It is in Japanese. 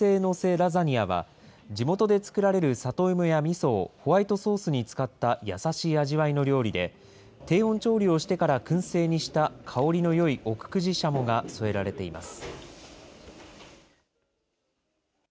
ラザニアは、地元で作られる里芋やみそをホワイトソースに使った優しい味わいの料理で、低温調理をしてからくん製にした香りのよい奥久慈しゃもが添えられています。